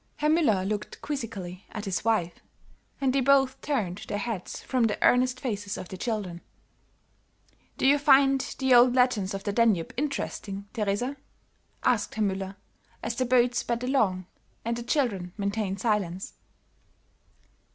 Herr Müller looked quizzically at his wife, and they both turned their heads from the earnest faces of the children. "Do you find the old legends of the Danube interesting, Teresa?" asked Herr Müller, as the boat sped along, and the children maintained silence.